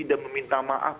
dan meminta maaf